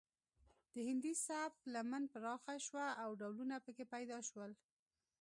د هندي سبک لمن پراخه شوه او ډولونه پکې پیدا شول